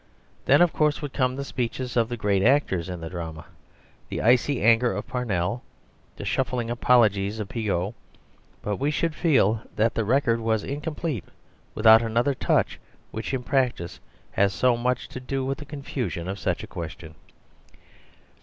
Then of course would come the speeches of the great actors in the drama, the icy anger of Parnell, the shuffling apologies of Pigott. But we should feel that the record was incomplete without another touch which in practice has so much to do with the confusion of such a question.